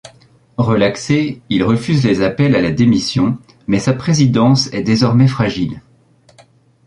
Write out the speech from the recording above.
Relaxé, il refuse les appels à la démission mais sa présidence est désormais fragile.